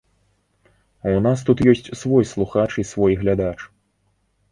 У нас тут ёсць свой слухач і свой глядач.